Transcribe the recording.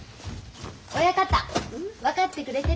親方分かってくれてる？